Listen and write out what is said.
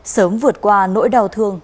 sớm vượt qua nỗi đau thương